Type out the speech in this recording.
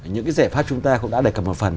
những giải pháp chúng ta cũng đã đề cập một phần